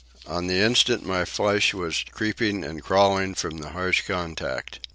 On the instant my flesh was creeping and crawling from the harsh contact.